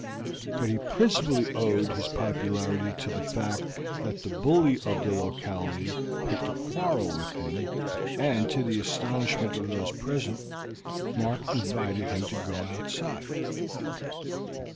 But he principally owed his popularity to the fact that the bully of the locality picked a quarrel with him, and, to the astonishment of those present, Mark invited him to go outside.